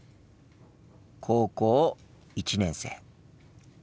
高校１年生。